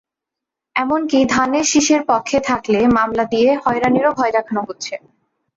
এমনকি ধানের শীষের পক্ষে থাকলে মামলা দিয়ে হয়রানিরও ভয়ও দেখানো হচ্ছে।